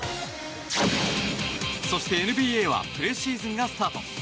そして、ＮＢＡはプレシーズンがスタート。